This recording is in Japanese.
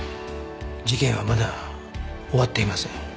事件はまだ終わっていません。